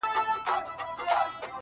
خلک د پېښې خبري کوي